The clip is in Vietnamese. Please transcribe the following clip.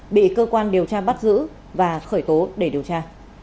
bị cơ quan điều tra bắt giữ và khởi tố để điều tra